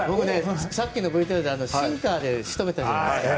さっきのＶＴＲでシンカーで仕留めたじゃないですか。